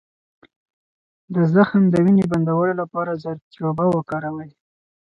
د زخم د وینې بندولو لپاره زردچوبه وکاروئ